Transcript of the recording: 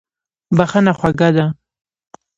بښنه خوږه ده.